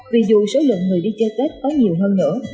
vì dù số lượng người đi chơi tết có nhiều hơn nữa